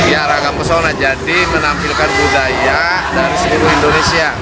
ya ragam pesona jadi menampilkan budaya dari seluruh indonesia